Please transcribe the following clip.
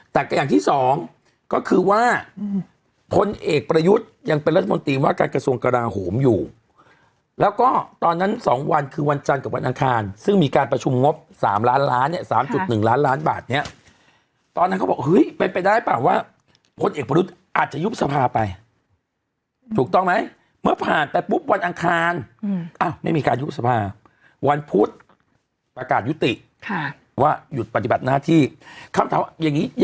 แต่กระยังที่สองก็คือว่าผลเอกประยุทธ์ยังเป็นรัฐมนตรีว่าการกระทรวงกราโหมอยู่แล้วก็ตอนนั้นสองวันคือวันจันทร์กับวันอังคารซึ่งมีการประชุมงบสามล้านล้านเนี่ยสามจุดหนึ่งล้านล้านบาทเนี่ยตอนนั้นเขาบอกเฮ้ยเป็นไปได้ป่ะว่าผลเอกประยุทธ์อาจจะยุบสภาไปถูกต้องไหมเมื่อผ่านไปปุ๊บวันอ